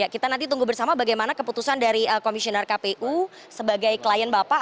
kita nanti tunggu bersama bagaimana keputusan dari komisioner kpu sebagai klien bapak